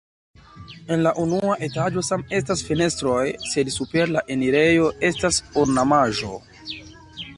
En la unua etaĝo same estas fenestroj, sed super la enirejo estas ornamaĵo.